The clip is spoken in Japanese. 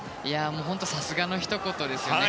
本当にさすがのひと言ですよね。